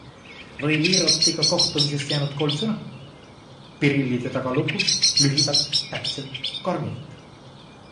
Või Viiraltiga kohtumisest jäänud kolm sõna - prillide taga lukus ... lühidalt, täpselt karmilt.